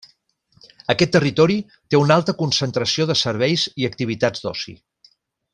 Aquest territori té una alta concentració de serveis i activitats d’oci.